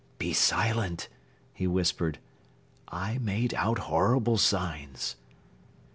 "Be silent!" he whispered. "I made out horrible signs."